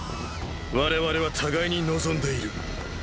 我々は互いに望んでいる。